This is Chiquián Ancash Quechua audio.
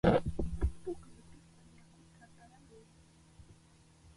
Pukyupita yakuta aparamuy.